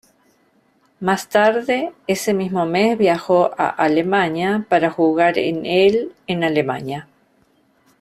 Más tarde ese mismo mes viajó a Alemania para jugar en el en Alemania.